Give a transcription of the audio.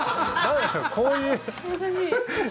優しい。